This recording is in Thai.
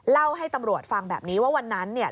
เล่าให้ตำรวจฟังแบบนี้ว่าวันนั้นเนี่ย